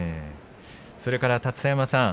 それから立田山さん